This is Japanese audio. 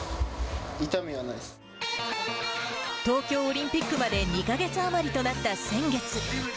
東京オリンピックまで２か月余りとなった先月。